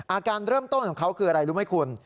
อาการเริ่มต้นของเขาคืออะไรรู้ไหมคุณ